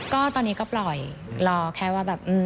ก็ตอนนี้ก็ปล่อยรอแค่ว่าแบบ